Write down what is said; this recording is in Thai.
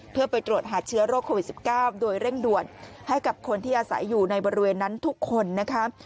เพื่อไปตรวจหาเชื้อโรคโควิด๑๙โดยเร่งด่วนให้กับคนที่อาศัยอยู่ในบริเวณนั้นทุกคนนะคะ